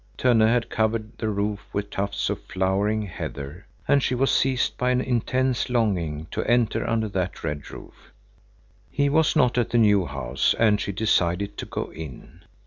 Tönne had covered the roof with tufts of flowering heather, and she was seized by an intense longing to enter under that red roof. He was not at the new house and she decided to go in.